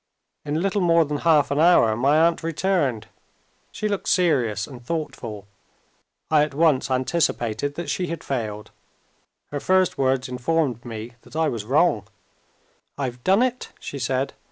In little more than half an hour, my aunt returned. She looked serious and thoughtful. I at once anticipated that she had failed. Her first words informed me that I was wrong. "I've done it," she said.